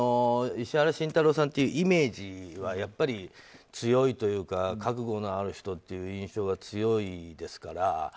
石原慎太郎さんというイメージはやっぱり強いというか覚悟のある人っていう印象が強いですから。